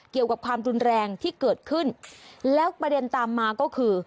เกี่ยวกับความรุนแรงที่เกิดขึ้นแล้วประเด็นตามมาก็คือ